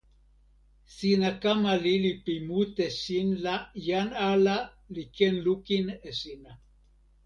sina kama lili pi mute sin la jan ala li ken lukin e sina.